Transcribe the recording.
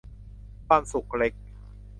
ความสุขเล็ก